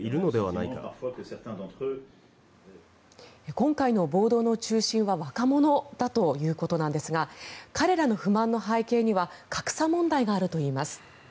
今回の暴動の中心は若者だということなんですが彼らの不満の背景には格差問題があるといいます。